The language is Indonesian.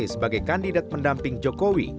sebagai kandidat pendamping jokowi